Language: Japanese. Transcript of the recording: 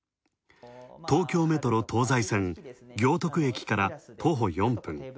東京メトロ東西線、行徳駅から徒歩４分。